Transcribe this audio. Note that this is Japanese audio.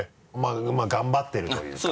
まぁ頑張ってるというか。